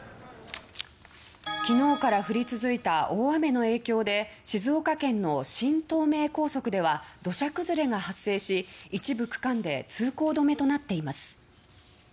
昨日から降り続いた大雨の影響で静岡県の新東名高速では土砂崩れが発生し一部区間で通行止めとなっています。